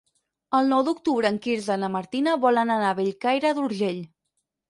El nou d'octubre en Quirze i na Martina volen anar a Bellcaire d'Urgell.